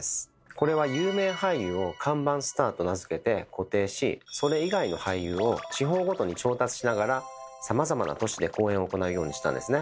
これは有名俳優を看板スターと名付けて固定しそれ以外の俳優を地方ごとに調達しながらさまざまな都市で公演を行うようにしたんですね。